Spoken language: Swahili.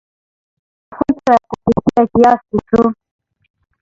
Mafuta ya kupikia kiasi tu